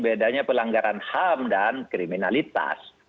bedanya pelanggaran ham dan kriminalitas